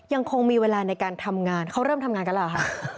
ยังคงมีเวลาในการทำงานเขาเริ่มทำงานกันแล้วเหรอคะ